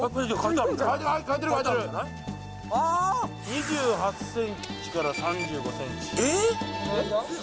２８ｃｍから３５ｃｍえっ？